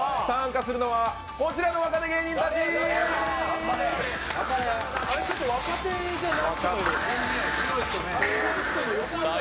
参加するのはこちらの若手芸人たち。